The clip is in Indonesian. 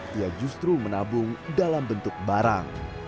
dia justru menabung dalam bentuk barang